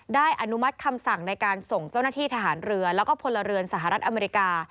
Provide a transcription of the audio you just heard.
อนุมัติคำสั่งในการส่งเจ้าหน้าที่ทหารเรือแล้วก็พลเรือนสหรัฐอเมริกา